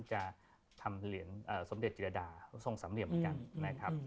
จะทำเหรียญสมเด็จจิรดาทรงสามเหลี่ยมเหมือนกันนะครับ